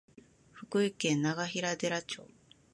福井県永平寺町